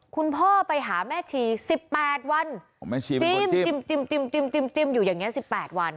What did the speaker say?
คุณพ่อไปหาแม่ชี๑๘วันจิ้มอยู่อย่างนี้๑๘วัน